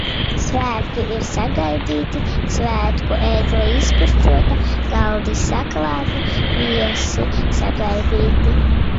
Svētki ir sagaidīti, svētku egle izpušķota, galdi saklāti, viesi sagaidīti.